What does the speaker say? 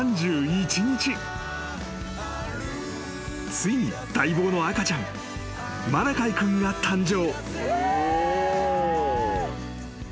［ついに待望の赤ちゃんマラカイ君が誕生］